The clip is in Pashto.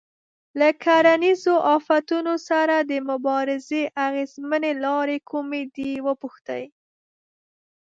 له کرنیزو آفتونو سره د مبارزې اغېزمنې لارې کومې دي وپوښتئ.